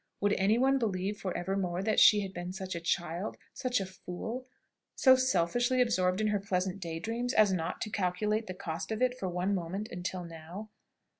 Would any one believe for evermore that she had been such a child, such a fool, so selfishly absorbed in her pleasant day dreams, as not to calculate the cost of it for one moment until now?